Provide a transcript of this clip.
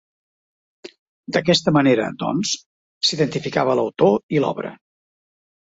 D'aquesta manera, doncs, s'identificava l'autor i l'obra.